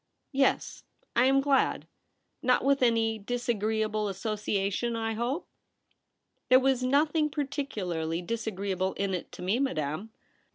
' Yes. I am glad. Not with any disagree able association, I hope T ' There was nothing particularly disagree able in it — to me, madame.